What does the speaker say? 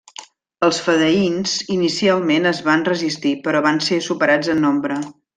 Els fedaïns inicialment es van resistir, però van ser superats en nombre.